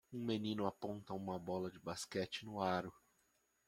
Um menino aponta uma bola de basquete no aro.